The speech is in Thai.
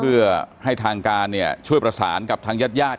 เพื่อให้ทางการเนี่ยช่วยประสานกับทางญาติญาติ